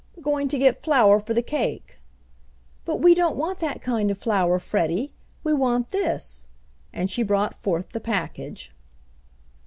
"Going to get flour for the cake." "But we don't want that kind of flour, Freddie. We want this," and she brought forth the package.